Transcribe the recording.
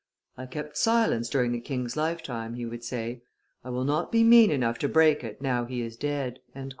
"I kept silence during the king's lifetime," he would say; "I will not be mean enough to break it now he is dead."